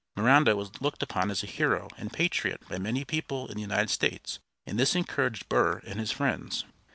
Miranda was looked upon as a hero and patriot by many people in the United States, and this encouraged Burr and his friends.